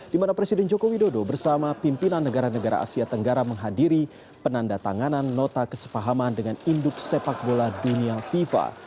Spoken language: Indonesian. di mana presiden joko widodo bersama pimpinan negara negara asia tenggara menghadiri penanda tanganan nota kesepahaman dengan induk sepak bola dunia fifa